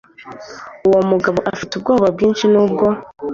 Uwo mugabo afite ubwoba bwinshi nubwoba